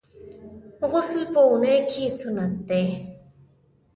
غسل په اونۍ کي سنت دی.